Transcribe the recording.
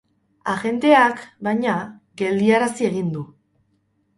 Agenteak, baina, geldiarazi egin du.